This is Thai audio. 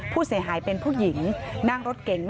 ผู้เสียหายเป็นผู้หญิงนั่งรถเก๋ง